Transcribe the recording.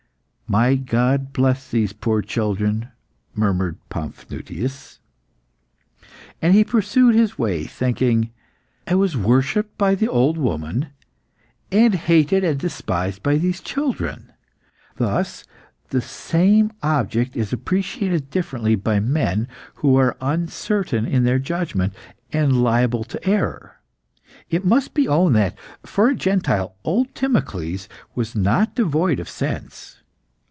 "My God, bless these poor children!" murmured Paphnutius. And he pursued his way, thinking. "I was worshipped by the old woman, and hated and despised by these children. Thus the same object is appreciated differently by men who are uncertain in their judgment and liable to error. It must be owned that, for a Gentile, old Timocles was not devoid of sense.